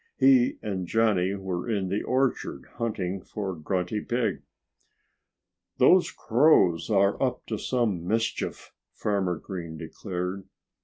He and Johnnie were in the orchard, hunting for Grunty Pig. "Those crows are up to some mischief," Farmer Green declared.